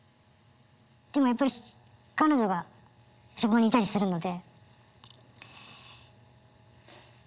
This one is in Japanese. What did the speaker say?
でもやっぱり彼女が職場にいたりするので。